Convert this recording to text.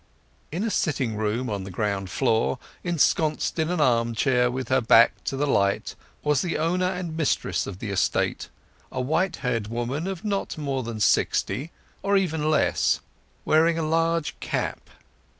In a sitting room on the ground floor, ensconced in an armchair with her back to the light, was the owner and mistress of the estate, a white haired woman of not more than sixty, or even less, wearing a large cap.